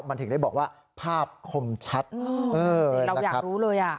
มันถึงได้บอกว่าภาพคมชัดเราอยากรู้เลยอ่ะ